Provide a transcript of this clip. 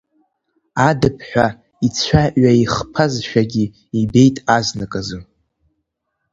Адыԥҳәа ицәа ҩаихԥазшәагьы ибеит азныказы.